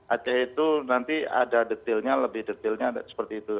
aceh itu nanti ada detailnya lebih detailnya seperti itu